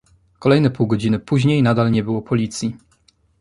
Kolejne pół godziny później nadal nie było policji